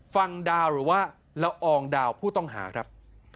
วังดาวหรือว่าละอองดาวผู้ต้องหาครับ